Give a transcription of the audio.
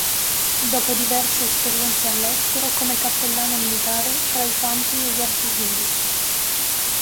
Dopo diverse esperienze all'estero come cappellano militare tra i fanti e gli artiglieri.